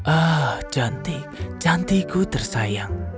ah cantik cantikku tersayang